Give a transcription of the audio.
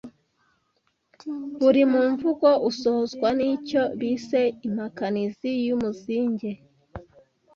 Buri Muvugo usozwa n’icyo bise Impakanizi y’umuzinge